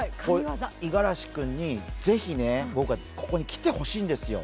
五十嵐君に、ぜひ僕はここに来てほしいんですよ。